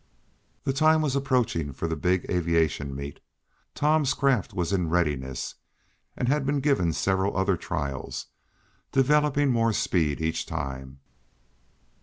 The time was approaching for the big aviation meet. Tom's craft was in readiness, and had been given several other trials, developing more speed each time.